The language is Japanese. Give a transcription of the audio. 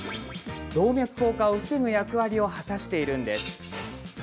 動脈硬化を防ぐ役割を果たしているんです。